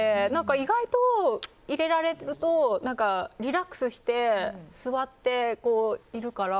意外と入れられるとリラックスして座っているから。